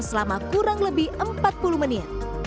selama kurang lebih empat puluh menit